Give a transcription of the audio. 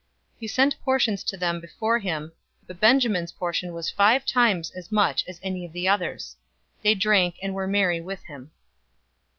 043:034 He sent portions to them from before him, but Benjamin's portion was five times as much as any of theirs. They drank, and were merry with him.